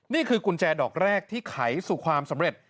กุญแจดอกแรกที่ไขสู่ความสำเร็จ